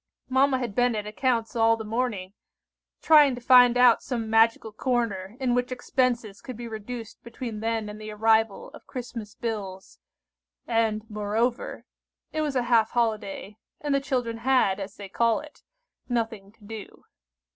Mamma had been at accounts all the morning, trying to find out some magical corner in which expenses could be reduced between then and the arrival of Christmas bills; and, moreover, it was a half holiday, and the children had, as they call it, nothing to do.